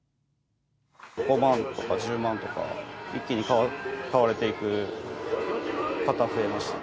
５万とか１０万とか、一気に買われていく方、増えました。